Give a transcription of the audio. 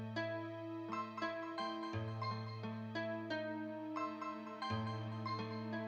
kenapa hain teleponnya